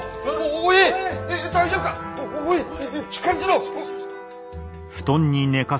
大丈夫か？